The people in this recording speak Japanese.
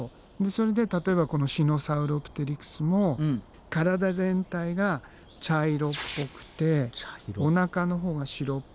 それで例えばこのシノサウロプテリクスも体全体が茶色っぽくておなかのほうが白っぽくて。